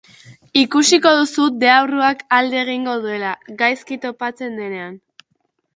Ikusiko duzu deabruak alde egingo duela, gaizki topatzen denean.